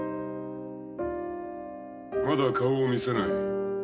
まだ顔を見せない？